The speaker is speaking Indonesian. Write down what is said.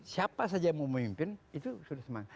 siapa saja yang mau memimpin itu sudah semangat